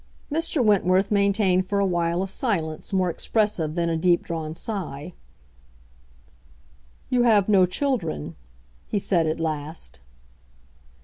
Mr. Wentworth maintained for a while a silence more expressive than a deep drawn sigh. "You have no children," he said at last.